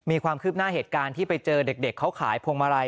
มีความคืบหน้าเหตุการณ์ที่ไปเจอเด็กเขาขายพวงมาลัย